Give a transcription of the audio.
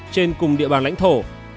trên cùng địa bàn lãnh thổ